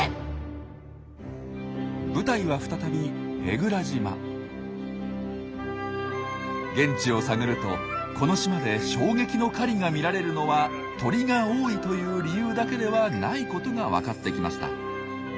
舞台は再び現地を探るとこの島で衝撃の狩りが見られるのは鳥が多いという理由だけではないことが分かってきました。